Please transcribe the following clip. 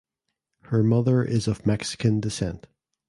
Her mother is of Mexican descent.